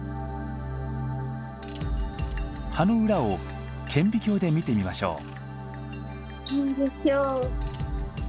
葉の裏を顕微鏡で見てみましょう顕微鏡。